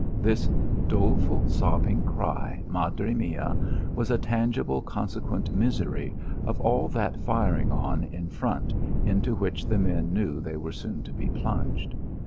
This doleful sobbing cry "Madre mia" was a tangible consequent misery of all that firing on in front into which the men knew they were soon to be plunged.